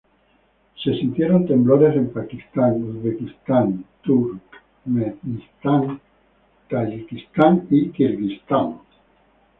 Se sintieron temblores en Pakistán, Uzbekistán, Turkmenistán, Tayikistán y Kirguistán.